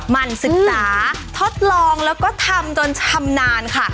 มันศึกษาทดลองแล้วก็ทำจนชำนาญค่ะ